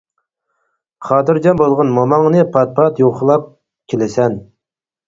خاتىرجەم بولغىن موماڭنى پات-پات يوقلاپ كېلىسەن.